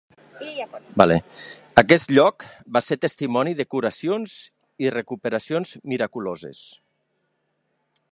Aquest lloc va ser testimoni de curacions i recuperacions miraculoses.